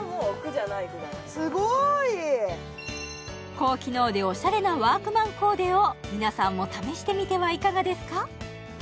高機能でおしゃれなワークマンコーデを皆さんも試してみてはいかがですか？